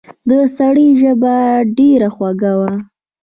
د سړي ژبه ډېره خوږه وه.